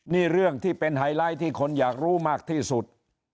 นี่เรื่องที่เป็นไฮไลท์ที่คนอยากรู้มากที่สุด